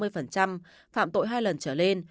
phạm tội hai lần trở lên